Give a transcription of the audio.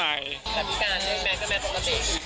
แล้วพี่การเรียกแมทก็แมทปกติ